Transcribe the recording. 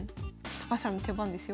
高橋さんの手番ですよ。